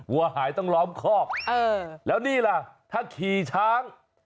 วัวหายต้องล้อมคอกแล้วนี่ล่ะถ้าขี่ช้าง